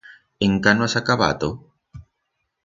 Encá no has acabato?